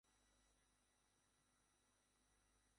তিনি বিবাহিত এবং দুই ছেলে ও এক মেয়ের জনক।